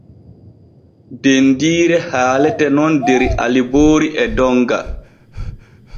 Dendiire haalete nun der Aliboori e Donga.